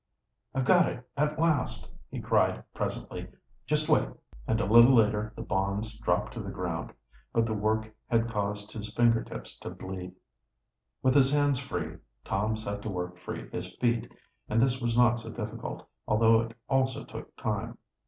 "I've got it at last!" he cried presently. "Just wait." And a little later the bonds dropped to the ground. But the work had caused his finger tips to bleed. With his hands free, Tom set to work free his feet, and this was not so difficult, although it also took time.